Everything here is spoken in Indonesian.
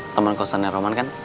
temen kau sana roman kan